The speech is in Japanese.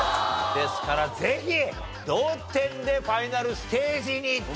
ですからぜひ同点でファイナルステージに行ってほしいなと。